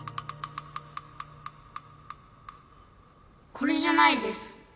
これじゃないです。